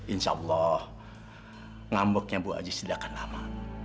insya allah ngambeknya bu aziz tidak akan lama